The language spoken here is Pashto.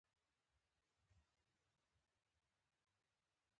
بخاري د شپې ناوخته باید بنده شي.